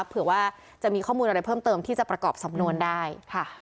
เผื่อว่าจะมีข้อมูลอะไรเพิ่มเติมที่จะประกอบสำนวนได้ค่ะ